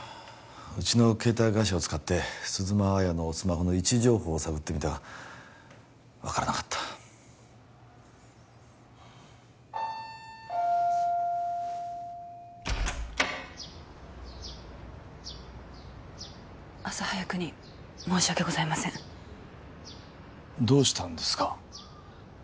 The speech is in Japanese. うちの携帯会社を使って鈴間亜矢のスマホの位置情報を探ってみた分からなかった朝早くに申し訳ございませんどうしたんですか？